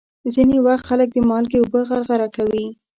ځینې وخت خلک د مالګې اوبه غرغره کوي.